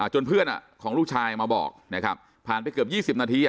จนเพื่อนของลูกชายมาบอกนะครับผ่านไปเกือบ๒๐นาที